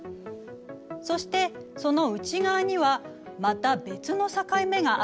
そしてその内側にはまた別の境目があるのよ。